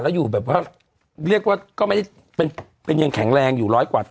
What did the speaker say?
แล้วอยู่แบบว่าเรียกว่าก็ไม่ได้เป็นยังแข็งแรงอยู่ร้อยกว่า